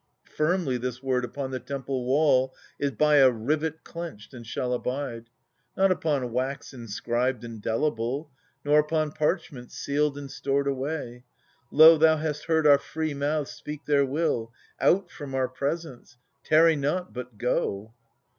Firmly this word upon the temple wall Is by a rivet clenched, and shall abide : Not upon wax inscribed and delible, Nor upon parchment sealed and stored away. — Lo, thou hast heard our free mouths speak their will : Out from our presence — tarry not, but go